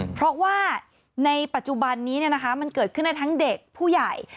เพราะว่าในปัจจุบันนี้มันเกิดขึ้นได้ทั้งเด็กผู้ใหญ่